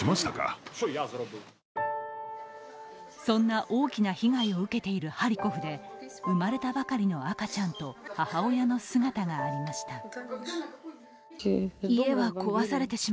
そんな大きな被害を受けているハリコフで生まれたばかりの赤ちゃんと母親の姿がありました。